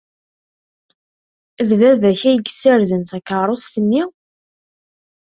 D baba-k ay yessarden takeṛṛust-nni?